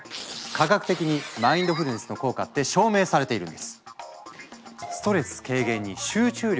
科学的にマインドフルネスの効果って証明されているんです！などなど！